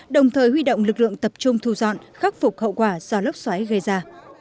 đồng thời huy động lực lượng tập trung thu dọn khắc phục hậu quả do lốc xoáy gây ra